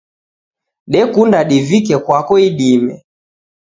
Dekunda divike kwako idime.